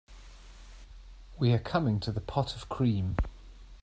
We are coming to the pot of cream.